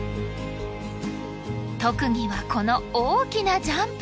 特技はこの大きなジャンプ。